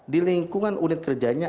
di lingkungan unit kerjanya